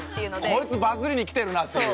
こいつバズりにきてるなっていう。